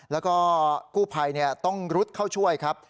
แล้วก็กู้ภัยต้องรุดเข้าช่วยครับ